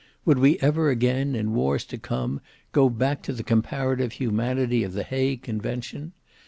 Would we ever again, in wars to come, go back to the comparative humanity of the Hague convention?